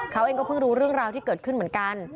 เขาเองก็เพิ่งรู้เรื่องราวที่เกิดขึ้นเหมือนกัน